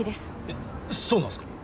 えっそうなんすか？